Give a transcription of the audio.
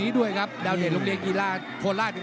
ดีด้วยครับเดาเด่นต่างกว่า